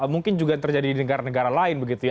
mungkin juga terjadi di negara negara lain begitu ya